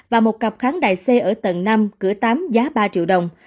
và một cặp kháng đại c ở tầng năm cửa tám giá ba triệu đồng